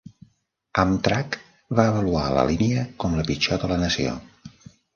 Amtrak va avaluar la línia com la pitjor de la nació.